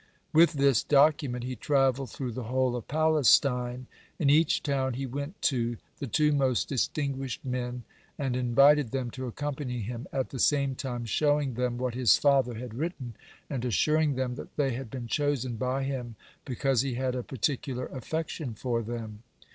With this document he travelled through the whole of Palestine. In each town he went to the two most distinguished men, and invited them to accompany him, at the same time showing them what his father had written, and assuring them that they had been chosen by him because he had a particular affection for them.